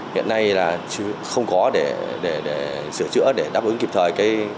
hiện nay là không có để sửa chữa để đáp ứng kịp thời